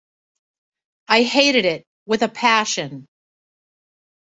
I hated it with a passion.